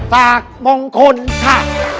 สากมองคนค่ะ